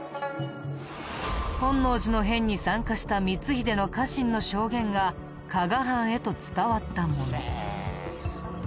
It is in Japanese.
本能寺の変に参加した光秀の家臣の証言が加賀藩へと伝わったもの。